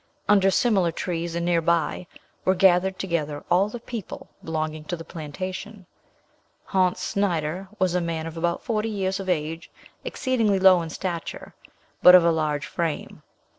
Under similar trees and near by, were gathered together all the "people" belonging to the plantation. Hontz Snyder was a man of about forty years of age, exceedingly low in stature, but of a large frame.